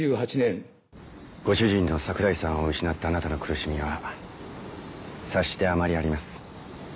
ご主人の桜井さんを失ったあなたの苦しみは察して余りあります。